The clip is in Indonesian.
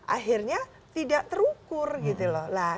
akhirnya tidak terukur gitu loh